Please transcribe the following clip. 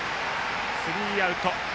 スリーアウト。